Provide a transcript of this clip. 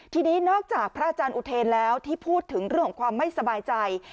ทีนี้นอกจากพระอาจารย์อุเทนแล้วที่พูดถึงเรื่องของความไม่สบายใจ